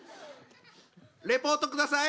リポート下さい！